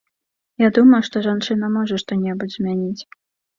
Я думаю, што жанчына можа што-небудзь змяніць.